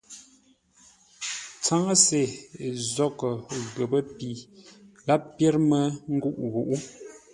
Tsáŋə́se nzóghʼə́ ghəpə́ pi gháp pyér mə́ ngûʼ-ghuʼú.